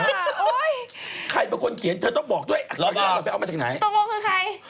ใครอ่ะใครอ่ะใครเป็นคนเขียนเธอต้องบอกด้วยเราไปเอามาจากไหนตกลงคือใคร